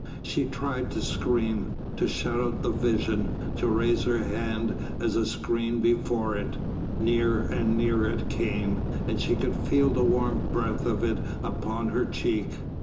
She tried to scream, to shut out the vision, to raise her hand as a screen before it. Nearer and nearer it came, and she could feel the warm breath of it upon her cheek.